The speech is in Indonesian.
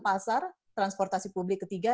pasar transportasi publik ketiga